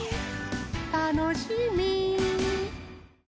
たのしみ。